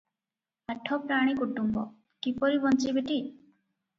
ଆଠ ପ୍ରାଣୀ କୁଟୁମ୍ବ, କିପରି ବଞ୍ଚିବେଟି?